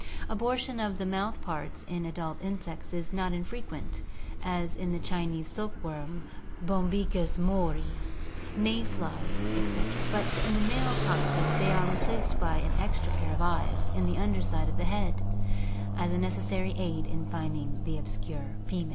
Abortion of the mouth parts in adult insects is not infre quent, as in the Chinese silk worm (Bombyx mart), may flies, etc., but in the male coccid they are replaced by an extra pair of eyes on the under side of the head as a necessary aid infinding the obscure female!